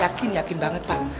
yakin yakin banget pak